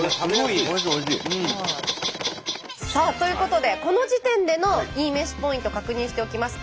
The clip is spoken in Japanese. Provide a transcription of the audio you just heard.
さあということでこの時点でのいいめしポイント確認しておきます。